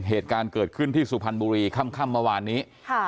เหตุการณ์เกิดขึ้นที่สุพรรณบุรีค่ำเมื่อวานนี้